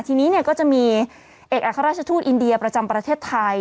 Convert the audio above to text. ทีนี้ก็จะมีเอกอัครราชทูตอินเดียประจำประเทศไทย